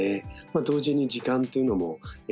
同時に時間というのも分かる。